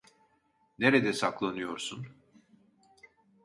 Nerede saklanıyorsun?